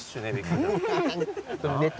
ネタ？